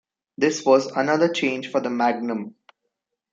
This was another change for the Magnum.